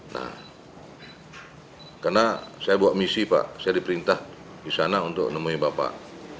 nah karena saya buat misi pak saya diperintah di sana untuk menemui bapak